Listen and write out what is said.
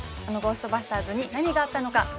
あのゴーストバスターズに何があったのか？